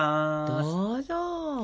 どうぞ。